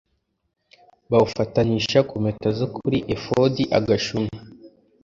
bawufatanisha ku mpeta zo kuri efodi agashumi